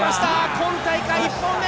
今大会１本目！